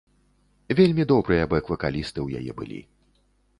Вельмі добрыя бэк-вакалісты ў яе былі.